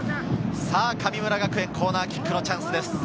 神村学園コーナーキックのチャンスです。